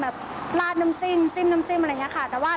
ปลอดภัย